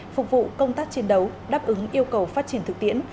phục vụ công tác chiến đấu đáp ứng yêu cầu phát triển thực tiễn